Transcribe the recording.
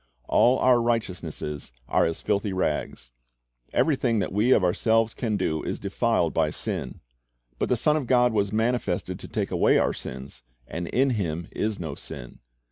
"All our righteousnesses arc as filthy rags."^ Everything that we of ourselves can do is defiled by sin. But the Son of God "was manifested to take away our sins; and in Him is no sin."